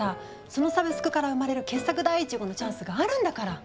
そのサブスクから生まれる傑作第１号のチャンスあるんだから。